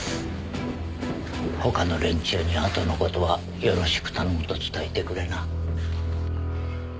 他の連中にあとの事はよろしく頼むと伝えてくれな。